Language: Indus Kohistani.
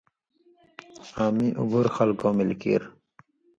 آں می اُگھرہۡ خلکؤں ملیۡ کیر۔